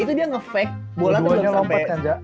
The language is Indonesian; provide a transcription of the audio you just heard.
itu dia nge fake bola tuh belum sampe